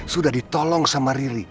sudah ditolong sama riri